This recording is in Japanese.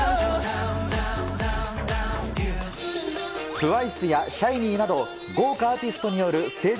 ＴＷＩＣＥやシャイニーなど豪華アーティストによるステージ